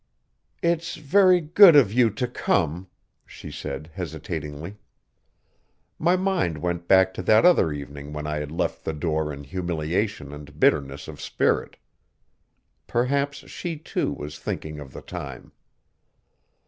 "It's very good of you to come," she said hesitatingly. My mind went back to that other evening when I had left the door in humiliation and bitterness of spirit. Perhaps she, too, was thinking of the time.